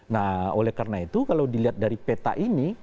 nah oleh karena itu kalau dilihat dari peta ini